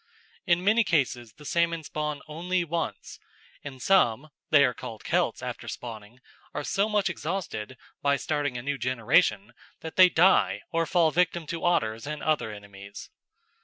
In many cases the salmon spawn only once, and some (they are called kelts after spawning) are so much exhausted by starting a new generation that they die or fall a victim to otters and other enemies.